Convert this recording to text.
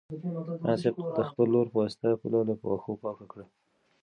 معلم صاحب د خپل لور په واسطه پوله له واښو پاکه کړه.